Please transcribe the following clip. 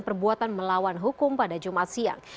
perbuatan melawan hukum pada jumat siang